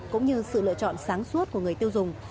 cũng như sự lựa chọn sáng suốt của người tiêu dùng